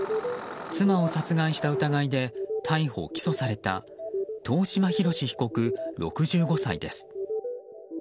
妻を殺害した疑いで逮捕・起訴された遠嶋博志被告、６５歳です。